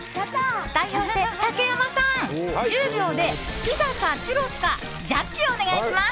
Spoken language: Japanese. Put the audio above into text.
代表して、竹山さん１０秒でピザかチュロスかジャッジをお願いします！